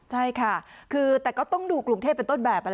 ใช่ค่ะคือแต่ก็ต้องดูกรุงเทพเป็นต้นแบบ